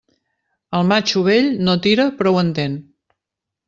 El matxo vell no tira però ho entén.